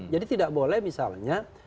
jadi tidak boleh misalnya